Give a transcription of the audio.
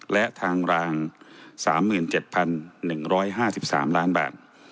และทางราง๓๗๑๕๓ล้านบาท